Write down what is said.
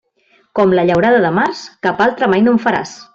Com la llaurada de març, cap altra mai no en faràs.